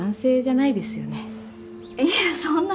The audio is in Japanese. いえそんな。